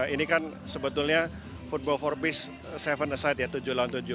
ini kan sebetulnya football for peace seven a side ya tujuh lawan tujuh